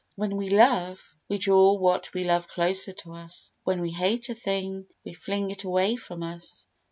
When we love, we draw what we love closer to us; when we hate a thing, we fling it away from us.